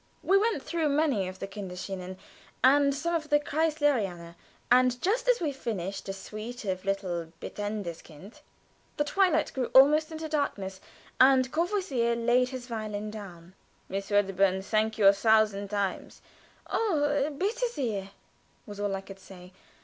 We went through many of the Kinderscenen and some of the Kreissleriana, and just as we finished a sweet little "Bittendes Kind," the twilight grew almost into darkness, and Courvoisier laid his violin down. "Miss Wedderburn, thank you a thousand times!" "Oh, bitte sehr!" was all I could say.